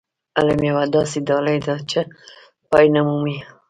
علم يوه داسې ډالۍ ده چې پای نه مومي.